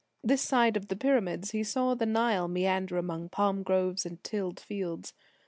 This side of the pyramids he saw the Nile meander among palm groves and tilled fields.